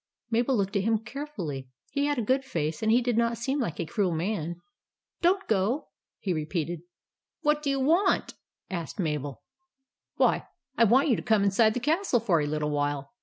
Mabel looked at him carefully. He had a good face, and did not seem like a cruel man. " Don't go," he repeated. " What do you want ?" asked Mabel. "Why, I want you to come inside the castle for a little while.